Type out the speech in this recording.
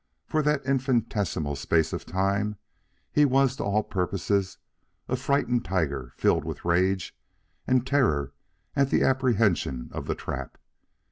For that infinitesimal space of time he was to all purposes a frightened tiger filled with rage and terror at the apprehension of the trap.